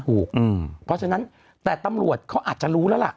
เพราะฉะนั้นแต่ตำรวจเขาอาจจะรู้แล้วล่ะ